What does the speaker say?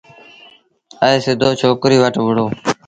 ائيٚݩ سڌو ڇوڪريٚ وٽ وُهڙو۔